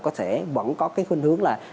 có thể vẫn có cái khuyên hướng là